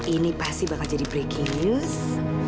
ini pasti bakal jadi breaking news